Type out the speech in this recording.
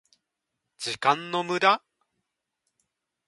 時間の無駄？